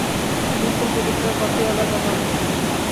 তিনি উত্তর প্রদেশের পাতিয়ালায় জন্মগ্রহণ করেন।